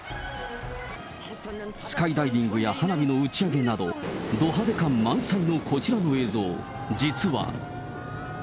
スカイダイビングや花火の打ち上げなど、ど派手感満載のこちらの映像、実は。